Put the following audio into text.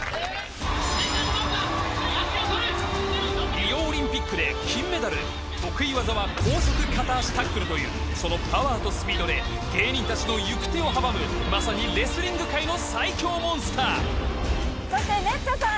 リオオリンピックで金メダル得意技は高速片足タックルというそのパワーとスピードで芸人達の行く手を阻むまさにレスリング界の最強モンスターそしてめっちゃさん